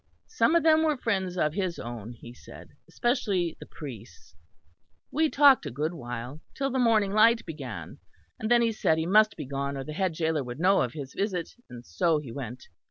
Some of them were friends of his own, he said; especially the priests. We talked a good while, till the morning light began; and then he said he must be gone or the head gaoler would know of his visit, and so he went.